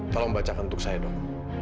tolong bacakan untuk saya dong